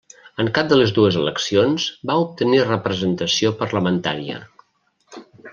En cap de les dues eleccions va obtenir representació parlamentària.